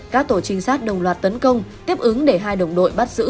các tổ trinh sát đồng loạt tấn công tiếp ứng để hai đồng đội bắt giữ sung an